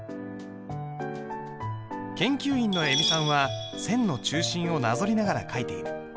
研究員の恵美さんは線の中心をなぞりながら書いている。